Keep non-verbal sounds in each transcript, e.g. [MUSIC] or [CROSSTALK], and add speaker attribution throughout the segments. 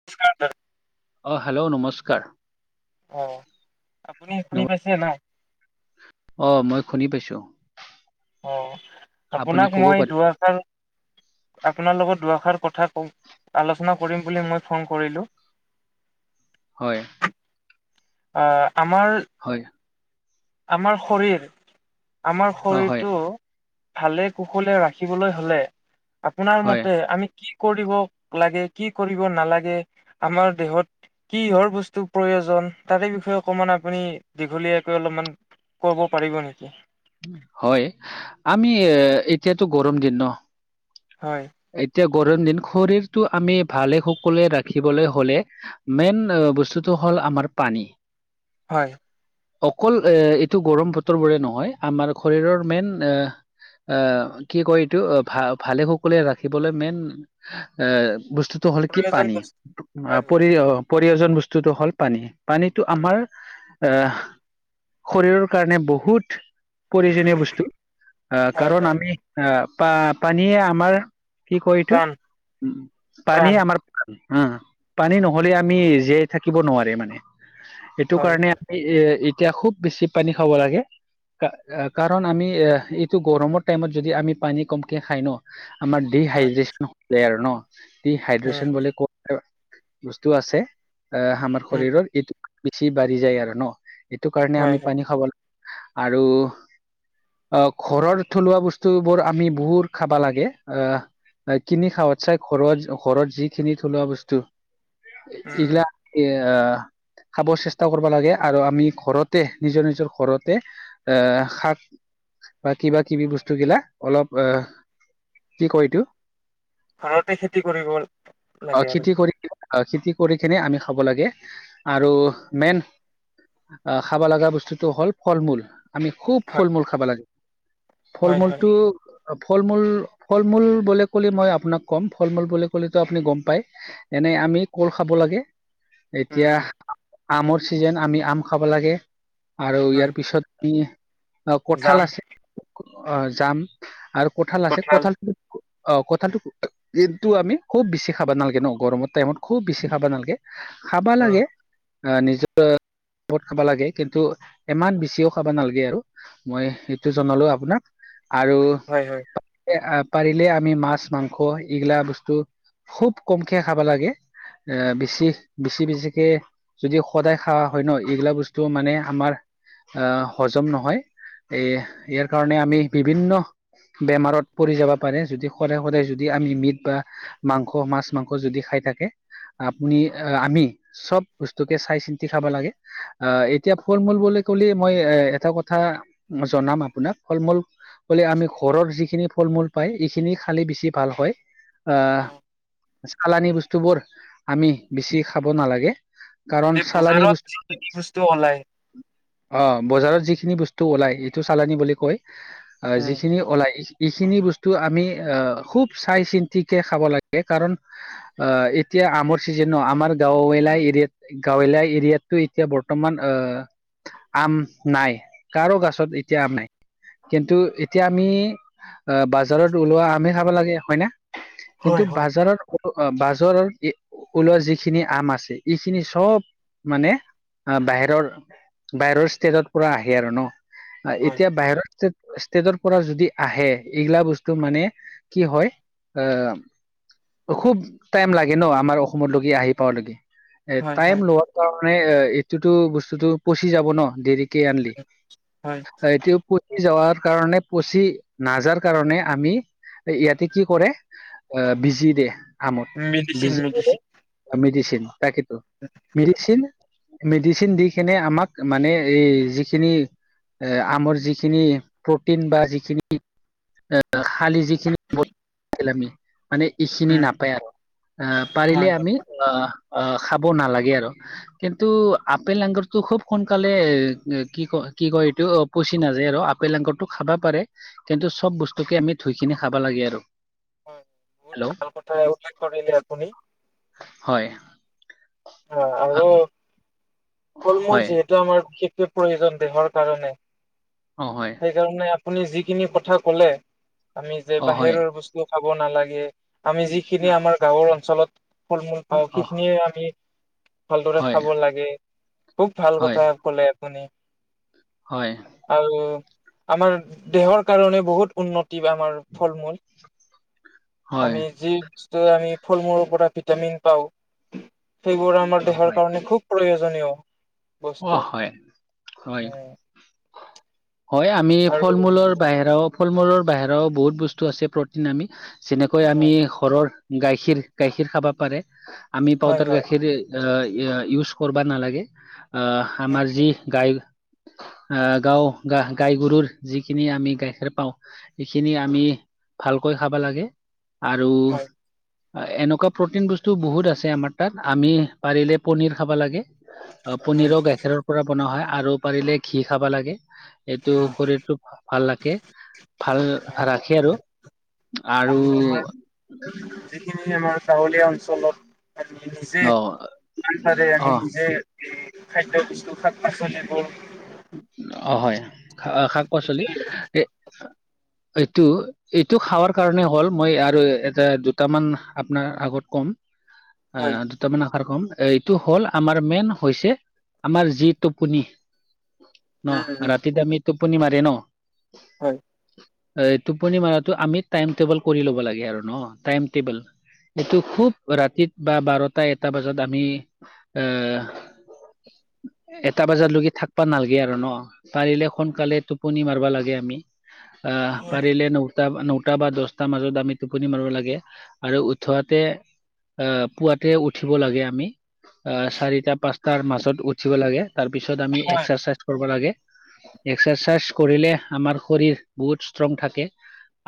Speaker 1: [INAUDIBLE]
Speaker 2: অ hello নমস্কাৰ
Speaker 1: অ আপুনি শুনি পাইছে নাই
Speaker 2: অঁ মই শুনি পাইছোঁ
Speaker 1: অ আপোনাক
Speaker 2: ক'ব
Speaker 1: মই
Speaker 2: পাৰিব
Speaker 1: ধোৱা ছ আপোনাৰ লগত দুআষাৰ কথা কম আলোচনা কৰিম বুলি মই ফোন কৰিলোঁ
Speaker 2: হয়
Speaker 1: আহ আমাৰ
Speaker 2: হয়।
Speaker 1: আমাৰ শৰীৰ আমাৰ
Speaker 2: অ হয়
Speaker 1: শৰীৰটো ভালে-কুশলে ৰাখিবলৈ হ'লে আপোনাৰ
Speaker 2: হয়
Speaker 1: মতে আমি কি কি কৰিব লাগে, কি কৰিব নালাগে--আমাৰ দেহত কিহৰ বস্তু প্ৰয়োজন। তাৰে বিষয়ে অকমান আপুনি দীঘলীয়াকৈ অলপমান ক'ব পাৰিব নেকি?
Speaker 2: হয়, আমি এ এতিয়াতো গৰম দিন ন।
Speaker 1: হয়।
Speaker 2: এতিয়া গৰম দিন শৰীৰটো আমি ভালে-কুশলে ৰাখিবলে হলে মেইন বস্তুটো হ'ল-আমাৰ পানী।
Speaker 1: হয়।
Speaker 2: অকল এ এইটো গৰম বতৰ বোৰে নহয়, আমাৰ শৰীৰৰ মেইন এ অ', কি কয় এইটো অ' ভ ভালে-কুশলে কুশলে ৰাখিবলৈ মেইন এ বস্তুটো হ'ল কি
Speaker 1: প্ৰয়োজন
Speaker 2: পানী,
Speaker 1: বস্তু পানী
Speaker 2: পৰি প্ৰয়োজন বস্তুটো হ'ল পানী, পানীটো আমাৰ আহ, শৰীৰৰ কাৰণে বহুত প্ৰয়োজনীয় বস্তু, আহ
Speaker 1: হয়
Speaker 2: কাৰণ
Speaker 1: হয়
Speaker 2: আমি আহ পা-পানীয়ে আমাৰ কি কয় এইটো?
Speaker 1: প্ৰাণ প্ৰাণ
Speaker 2: পানীয়ে আমাৰ হুম' পানী নহলে আমি জীয়াই থাকিব নোৱাৰে মানে। সেইটো
Speaker 1: হয়।
Speaker 2: কাৰণে এ, এতিয়া খুব বেছি পানী খাব লাগে। কাৰণ আমি এ-এইটো গৰমৰ টাইমত যদি আমি পানী কমকে খাই ন। আমাৰ
Speaker 1: উম,
Speaker 2: ডিহাইড্ৰেশ্যন আৰু ন,
Speaker 1: উম,
Speaker 2: ডিহাইড্ৰেশ্যন বুলি ক বস্তু আছে, আহ আমাৰ
Speaker 1: উম,
Speaker 2: শৰীৰৰ এইটো বেছি বাঢ়ি যায় আৰু ন। এইটো কাৰণে
Speaker 1: হয়,
Speaker 2: আমি
Speaker 1: হয়।
Speaker 2: পানী খাব লাগে, আৰু অ' ঘৰৰ থলুৱা বস্তু বোৰ আমি বহুত খাবা লাগে। অ' কিনি খাৱাত চাই, ঘৰত-ঘৰত যিখিনি থলুৱা বস্তু।
Speaker 1: উম, উম,
Speaker 2: এইবিলাক, অহ খাব চেষ্টা কৰিব লাগে, আৰু আমি ঘৰতে নিজৰ নিজৰ ঘৰতে এ শাক বা কিবা-কিবি বস্তুগিলা, অলপ আহ কি কয় এইটো?
Speaker 1: ঘৰতে খেতি কৰিব লাগে
Speaker 2: অ'
Speaker 1: আৰু।
Speaker 2: খেতি কৰি আহ, খেতি কৰি কিনে আমি খাব লাগে। আৰু মেইন অ' খাব লগা বস্তুটো হ'ল-ফল-মূল, আমি খুব
Speaker 1: হয়,
Speaker 2: ফল-মূল খাব লাগে।
Speaker 1: হয়, হয়।
Speaker 2: ফল-মূলটো, ফল-মূল ফল-মূল বুলি ক'লে মই আপোনাক ক'ম, ফল-মূল বুলি ক'লেতো আপুনি গম পাই। এনে আমি কল খাব লাগে।
Speaker 1: উম,
Speaker 2: এতিয়া
Speaker 1: উম,
Speaker 2: আমৰ চিজন আমি আম খাব লাগে, আৰু
Speaker 1: হয়,
Speaker 2: ইয়াৰ পিছত অ'
Speaker 1: জাম,
Speaker 2: কঠাল আছে, আহ জাম আৰু কঁঠাল, আছে কঁঠাল অ' কঁঠালটো [UNINTELLIGIBLE] আমি খুব বেছি খাব নালাগে ন, গৰমৰ টাইমত খুব বেছি খাব নালাগে। খাবা
Speaker 1: অ',
Speaker 2: লাগে, আহ নিজৰ [UNINTELLIGIBLE] খাব লাগে, কিন্তু ইমান বেছিও খাব নালগে, আৰু মই সেইটো জনালো আপোনাক। আৰু
Speaker 1: হয়, হয়।
Speaker 2: পাৰিলে, আমি মাছ-মাংস এইগিলা বস্তু খুব কমকে খাব লাগে, এ বেছি বেছি-বেছিকে যদি সদায় খাৱা হয় ন, এইগিলা বস্তু মানে আমাৰ আহ, হজম নহয়। এ ইয়াৰ কাৰণে আমি বিভিন্ন বেমাৰত পৰি যাবা পাৰে যদি সৰে - সৰে যদি আমি মিট বা মাংস, মাছ - মাংস যদি খাই থাকে আপুনি আ আমি চব বস্তুকে চাই - চিন্তি খাব লাগে। আহ এতিয়া ফল - মূল বুলি কলে মই এ এটা কথা জনাম আপোনাক, ফল - মূল বলে আমি ঘৰত যিখিনি ফল - মূল পায় এইখিনি খালে বেছি ভাল হয়
Speaker 1: অ',
Speaker 2: আহ চালানি বস্তুবোৰ আমি বেছি খাব নালাগে।
Speaker 1: মানে
Speaker 2: কাৰণ চালানী
Speaker 1: বজাৰত
Speaker 2: বস্তু
Speaker 1: যিখিনি বস্তু ওলাই
Speaker 2: অ, বজাৰত যিখিনি বস্তু ওলাই এইটো চালানী বুলি কয়, আহ
Speaker 1: উম,
Speaker 2: যিখিনি ওলাই এইখিনি বস্তু আমি আহ খুব চাই - চিন্তিকে খাব লাগে কাৰণ আ এতিয়া আমৰ চিজন, আমাৰ গাঁৱলীয়া এৰিয়াত গাঁৱলীয়া এৰিয়াতটো এতিয়া বৰ্তমান আ আম নাই, কাৰো গাছত এতিয়া আম নাই। কিন্তু এতিয়া আমি আহ বাজ জাৰত ওলোৱা আমহে খাব লাগে হয়নে? কিন্তু
Speaker 1: হয়, হয়,
Speaker 2: বাজাৰত উ অ বাজাৰৰ এ ওলোৱা যিখিনি আম আছে এইখিনি চব মানে আ বাহিৰৰ - বাহিৰৰ ষ্টেটত পুৰা আহে আৰু ন। আ
Speaker 1: হয়,
Speaker 2: এতিয়া বাহিৰৰ ষ্টেট - ষ্টেটৰ পৰা যদি আহে এইগিলা বস টো মানে কি হয় আহ অ খুব টাইম লাগে ন আমাৰ অসমতলৈকে আহি পাৱালৈকে। এ
Speaker 1: হয়,
Speaker 2: টাইম
Speaker 1: হয়,
Speaker 2: লোৱাৰ কাৰণে এ এইটোতো বস্তুটো পচি যাব ন দেৰি কে আনলি,
Speaker 1: হয়,
Speaker 2: এটো পচি যাৱাৰ কাৰণে পচি নাযাৰ কাৰণে আমি ইয়াতে কি কৰে আহ বিজি দে আমত
Speaker 1: মেডিচিন,
Speaker 2: বিজি।
Speaker 1: মেডিচিন
Speaker 2: আ মিডিচিন তাকেতো, মিডিচিন মেডিচিন দি কিনে আমাক মানে এই যিখিনি এ আমৰ যিখিনি প্ৰটিন বা যিখিনি খালি যিখিনি [INAUDIBLE] আমি মানে এইখিনি
Speaker 1: উম,
Speaker 2: নাপায় আৰু আহ
Speaker 1: হয়,
Speaker 2: পাৰিলে
Speaker 1: হয়,
Speaker 2: আমি, অ অ খাব নালাগে আৰু। কিন্তু আপেল, আঙুৰটো খুব সোনকালে উম কি ক কি কয় এইটো পচি নাযায় আৰু আপেল, আঙুৰটো খাবা পাৰে কিন্তু চব বস্তুকে আমি ধুইখিনি খাবা লাগে আৰু।
Speaker 1: হয়, বহুত
Speaker 2: হেল্ল'
Speaker 1: ভাল কথা উল্লেখ কৰিলে আপুনি।
Speaker 2: হয়।
Speaker 1: অ আৰু ফল - মূল
Speaker 2: হয়
Speaker 1: যিহেতু আমাৰ বিশেষকে প্ৰয়োজন দেহৰ কাৰণে
Speaker 2: অ হয়।
Speaker 1: সেইকাৰণে আপুনি যিখিনি কথা ক'লে, আমি যে
Speaker 2: অ হয়
Speaker 1: বাহিৰৰ বস্তু খাব নালাগে আমি যিখিনি আমাৰ গাঁৱৰ অঞ্চলত ফল- মূল পাওঁ
Speaker 2: অ
Speaker 1: সেইখিনিয়ে আমি ভালদৰে
Speaker 2: হয়
Speaker 1: খাব লাগে, খুব ভাল
Speaker 2: হয়
Speaker 1: কথা কলে আপুনি।
Speaker 2: হয়।
Speaker 1: ভাল আৰু আমাৰ দেহৰ কাৰণে বহুত উন্নতি আমাৰ ফল - মূল।
Speaker 2: হয়
Speaker 1: আমি যি বস্তু আমি ফল - মূলৰ পৰা ভিটামিন পাওঁ সেইবোৰ আমাৰ
Speaker 2: অ
Speaker 1: দেহৰ
Speaker 2: হয়
Speaker 1: কাৰণে খুব প্ৰয়োজনীয়।
Speaker 2: অ
Speaker 1: বস্তু
Speaker 2: হয়, হয়
Speaker 1: উম
Speaker 2: হয় আমি
Speaker 1: আৰু
Speaker 2: ফল - মূলৰ বাহিৰাও ফল - মূলৰ বাহিৰাও বহুত বস্তু আছে প্ৰটিন আমি যেনেকৈ আমি
Speaker 1: হয়
Speaker 2: ঘৰৰ গাখীৰ গাখীৰ খাবা পাৰে, আমি
Speaker 1: হয়
Speaker 2: পাউদাৰ
Speaker 1: হয়
Speaker 2: গাখীৰ আহ ইয়া ইউজ কৰিবা নালাগে। আহ
Speaker 1: হয়
Speaker 2: আমাৰ যি গাই আহ, গাওঁ গা-গাই গৰুৰ যিখিনি আমি গাখীৰ পাওঁ এইখিনি আমি ভালকৈ খাব লাগে আৰু
Speaker 1: হয়
Speaker 2: এনেকুৱা প্ৰটিন বস্তু বহুত আছে আমাৰ তাত আমি পাৰিলে পনীৰ খাবা লাগে।
Speaker 1: হয়
Speaker 2: পনীৰো গাখীৰৰ পৰা বনোৱা হয় আৰু পাৰিলে ঘি খাব লাগে। এইটো
Speaker 1: অ
Speaker 2: শৰীৰটোক ভাল লাখে, ভাল ৰাখে আৰু। আৰু
Speaker 1: যিখিনি আমাৰ গাঁৱলীয়া অঞ্চলত আমি নিজে,
Speaker 2: অ
Speaker 1: যিমানপাৰে
Speaker 2: অ
Speaker 1: আমি নিজে খাদ্য বস্তু শাক-পাচলিবোৰ
Speaker 2: অ হয়, শাক-পাচলি এ এইটো এইটো খাৱাৰ কাৰণে হ'ল মই আৰু এটা, দুটামান আপোনাৰ আগত ক'ম অ
Speaker 1: হয়
Speaker 2: দুটামান আশাৰ কম, এইটো হ'ল আমাৰ মেইন হৈছে আমাৰ যি টোপনি ন,
Speaker 1: উম উম
Speaker 2: ৰাতিত আমি টোপনি মাৰে ন
Speaker 1: হয়।
Speaker 2: টোপনি মাৰাটো আমি টাইম টেবল কৰি ল'ব লাগে আৰু ন, টাইম টেবুল। এইটো খুব ৰাতিত বা বাৰটা এটা বজাত আমি এ এটা বাজাৰলৈকে থাক বা নালাগে আৰু ন, পাৰিলে সোনকালে টোপনি মাৰবা লাগে আমি। অ
Speaker 1: হয়
Speaker 2: পাৰিলে নো নটা বা দছটাৰ মাজত আমি টোপনি মাৰিব লাগে আৰু উঠোৱাতে আহ পুৱাতে উঠিব লাগে আমি। অ চাৰিটা পাঁচটাৰ মাজত উঠিব লাগে, তাৰ পিছত আমি
Speaker 1: হয়
Speaker 2: এক্সাৰচাইজ কৰিব লাগে। এক্সাৰচাইজ কৰিলে আমাৰ শৰীৰ বহুত ষ্ট্ৰং থাকে।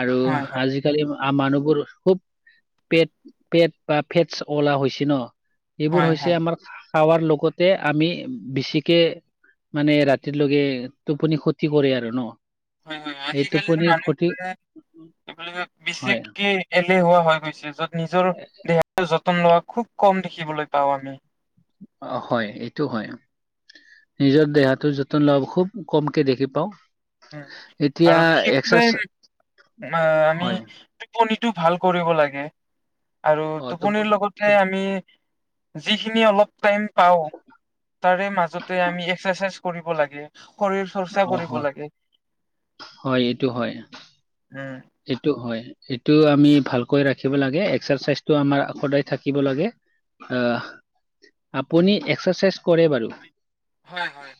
Speaker 2: আৰু
Speaker 1: হয় হয়
Speaker 2: আজিকালি মানুহবোৰ খুব পেট পেট বা ফেটছ'অলা হৈছে ন, এইবোৰ
Speaker 1: হয় হয়
Speaker 2: হৈছে আমাৰ খাৱাৰ লগতে আমি বেছিকে মানে ৰাতিৰ লৈগে টোপনি ক্ষতি কৰে আৰু ন।
Speaker 1: হয় হয়,
Speaker 2: এই
Speaker 1: আজিকালিৰ
Speaker 2: টোপনি ক্ষতি
Speaker 1: মানুহবোৰে
Speaker 2: হয়
Speaker 1: বিশেষকে এলেহুৱা হৈ গৈছে য'ত নিজৰ দেহৰ যতন লোৱা খুব কম দেখিবলৈ পাও আমি।
Speaker 2: অ হয়, এইটো হয়। নিজৰ দেহাটো যতন লৱা খুব কমকে দেখি পাওঁ।
Speaker 1: উ,
Speaker 2: এতিয়া
Speaker 1: আৰু
Speaker 2: এক্সাৰচ
Speaker 1: বিশেষকৈ আমি
Speaker 2: হয়
Speaker 1: টোপনিটো ভাল কৰিব লাগে আৰু
Speaker 2: অ
Speaker 1: টোপনিৰ
Speaker 2: টোপনি
Speaker 1: লগতে
Speaker 2: টোপ-
Speaker 1: আমি যিখিনি অলপ টাইম পাওঁ তাৰে মাজতে আমি এক্সাৰচাইজ কৰিব লাগে। শৰীৰ চৰ্চা
Speaker 2: অ
Speaker 1: কৰিব
Speaker 2: হয়
Speaker 1: লাগে।
Speaker 2: হয় এইটো হয়।
Speaker 1: উম
Speaker 2: এইটো হয়। এইটো আমি ভালকৈ ৰাখিব লাগে, এক্সাৰচাইজটো আমাৰ সদায় থাকিব লাগে। অ, আপুনি এক্সাৰচাইজ কৰে বাৰু?
Speaker 1: হয় হয়,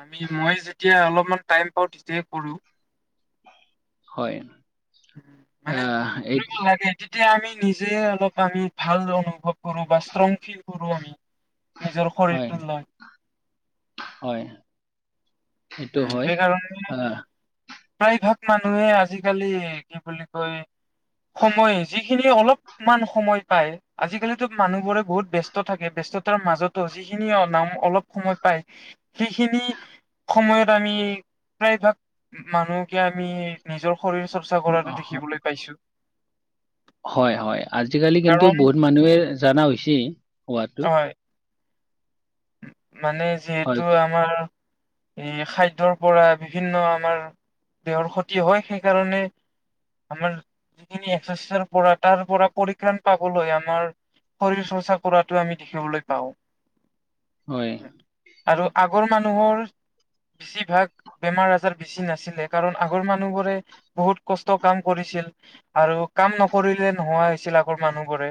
Speaker 1: আমি মই যেতিয়া অলপমান টাইম পাওঁ তেতিয়াই কৰো।
Speaker 2: হয়।
Speaker 1: উম, মানে
Speaker 2: আহ এই
Speaker 1: [UNINTELLIGIBLE] তেতিয়া আমি নিজে অলপ আমি ভাল অনুভৱ কৰোঁ বা ষ্ট্ৰং ফিল কৰোঁ আমি। নিজৰ
Speaker 2: হয়,
Speaker 1: শৰীৰটো লয়
Speaker 2: হয়। এইটো
Speaker 1: উম,
Speaker 2: হয়
Speaker 1: সেইকাৰণে প্ৰায় ভাগ মানুহে আজিকালি কি বুলি কয় সময় যিখিনি অলপ মান সময় পাই আজিকালিতো মানুহবোৰে বহুত ব্যস্ত থাকে ব্যস্ততাৰ মাজতো যিখিনি নাম অলপ সময় পায় সেইখিনি সময়ত আমি প্ৰায় ভাগ মানুহকে আমি নিজৰ শৰীৰ চৰ্ চা কৰাটো
Speaker 2: আহ
Speaker 1: দেখিবলৈ পাইছো
Speaker 2: হয় হয় আজিকালি কিন্তু
Speaker 1: কাৰণ
Speaker 2: বহুত মানুহে জানা হৈছে হোৱাত
Speaker 1: হয় মানে যিহেতু
Speaker 2: হয়
Speaker 1: আমাৰ এই খাদ্যৰ পৰা বিভিন্ন আমাৰ দেহৰ ক্ষতি হয় সেইকাৰণে আমাৰ তুমি একচাচাৰ পৰা তাৰ পৰা পৰিক্ৰাণ পাবলৈ আমাৰ শৰীৰ চৰ্চা কৰাতো আমি দেখিবলৈ পাওঁ
Speaker 2: হয়
Speaker 1: আৰু আগৰ মানুহৰ বেছিভাগ বেমাৰ আজাৰ বেছি নাছিলে কাৰণ আগৰ মানুহবোৰে বহুত কষ্ট কাম কৰিছিল আৰু কাম নকৰিলে নোহোৱা হৈছিল আগৰ মানুহবোৰে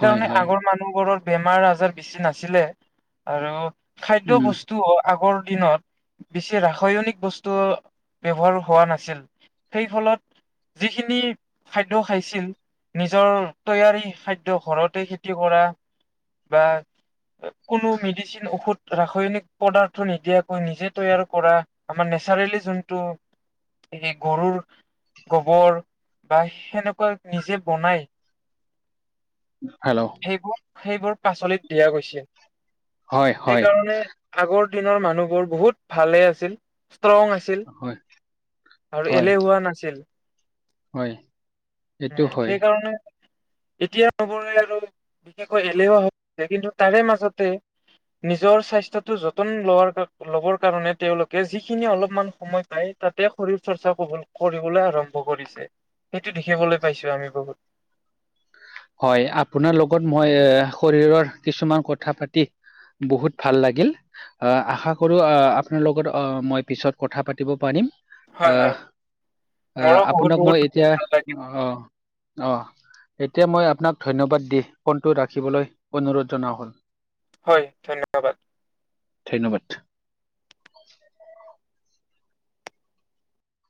Speaker 2: হয় হয়
Speaker 1: আগৰ মানুহবোৰৰ বেমাৰ আজাৰ বেছি নাছিলে আৰু খাদ্য
Speaker 2: উম
Speaker 1: বস্তু অ আগৰ দিনত বেছি ৰাসয়নিক বস্তু ব্যৱহাৰ হোৱা নাছিল সেই ফলত যিখিনি খাদ্য খাইছিল নিজৰ তৈয়াৰী খাদ্য ঘৰতে খেতি কৰা বা কোনো মেডিচিন ঔষধ ৰাসয়নিক পদাৰ্থ নিদিয়াকৈ নিজে তৈয়াৰ কৰা আমাৰ নেচাৰেলি যোনটো এই গৰুৰ গবৰ বা সেনেকুৱা নিজে বনাই
Speaker 2: হেল্ল'
Speaker 1: সেইবোৰ সেইবোৰ পাচলিত দিয়া গৈছিল
Speaker 2: হয় হয়
Speaker 1: সেইকাৰণে আগৰ দিনৰ মানুহবোৰ বহুত ভালে আছিল ষ্ট্ৰং আছ ছিল
Speaker 2: হয়
Speaker 1: আৰু
Speaker 2: হয়
Speaker 1: এলেহুৱা নাছিল
Speaker 2: হয় এইটো
Speaker 1: উম
Speaker 2: হয়
Speaker 1: সেইকাৰণে এতিয়া চবৰে আৰু বিশেষকৈ এলেহুৱা হৈছে কিন্তু তাৰে মাজতে নিজৰ স্বাস্থ্যতো যতন লোৱাৰ কা ল'বৰ কাৰণে তেওঁলোকে যিখিনি অলপমান সময় পাই তাতে শৰীৰ চৰ্চা কব কৰিবলৈ আৰম্ভ কৰিছে সেইটো দেখিবলৈ পাইছো আমি বহুত
Speaker 2: হয় আপোনাৰ লগত মই এ শৰীৰৰ কিছুমান কথা পাতি বহুত ভাল লাগিল আহ আশা কৰো আহ আপোনাৰ লগত আহ মই পিছত কথা পাতিব পাৰিম
Speaker 1: হয় হয়
Speaker 2: আহ আহ
Speaker 1: মোৰো বহুত
Speaker 2: আপোনাক
Speaker 1: বহুত
Speaker 2: মই এতিয়া
Speaker 1: ভাল লাগিল
Speaker 2: অ অ তেতিয়া মই আপোনাক ধন্যবাদ দি ফোনটো ৰাখিবলৈ অনুৰোধ জনা হ'ল
Speaker 1: হয় ধন্য
Speaker 2: ধন্যবাদ